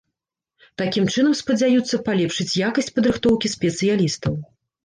Такім чынам спадзяюцца палепшыць якасць падрыхтоўкі спецыялістаў.